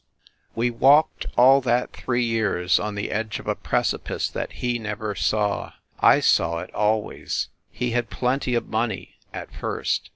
... We walked all that three years on the edge of a precipice that he never saw. ... I saw it al ways. .,. He had plenty of money, at first.